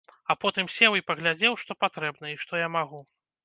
А потым сеў і паглядзеў, што патрэбна, і што я магу.